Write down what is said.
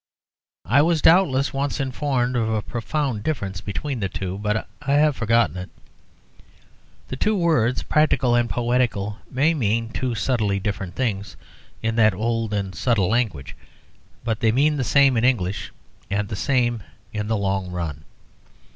I was doubtless once informed of a profound difference between the two, but I have forgotten it. The two words practical and poetical may mean two subtly different things in that old and subtle language, but they mean the same in English and the same in the long run.